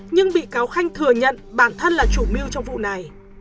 nhưng bị cáo khanh thừa nhận bản thân là chủ mưu trong vụ này